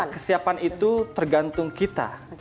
kesiapan itu tergantung kita